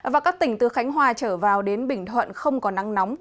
và các tỉnh từ khánh hòa trở vào đến bình thuận không có nắng nóng